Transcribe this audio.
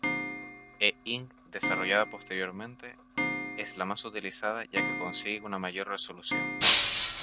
E-Ink, desarrollada posteriormente es la más utilizada ya que consigue una mayor resolución.